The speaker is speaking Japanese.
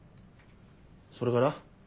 それから？